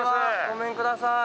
ごめんください。